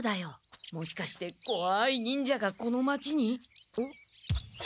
もしかしてこわい忍者がこの町に？